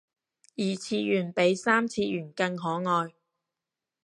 二次元比三次元更可愛